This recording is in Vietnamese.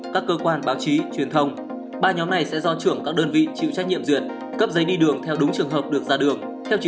cảnh sát sẽ bắt đầu kiểm tra giấy đi đường theo mẫu mới